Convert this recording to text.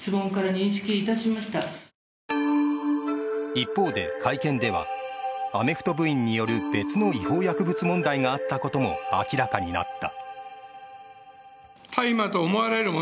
一方で、会見ではアメフト部員による別の違法薬物問題があったことも明らかになった。